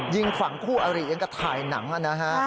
ยิงฝั่งคู่อริยังก็ถ่ายหนังนะฮะ